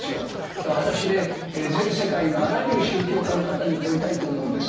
だから私ね全世界のあらゆる宗教家の方に問いたいと思うんです。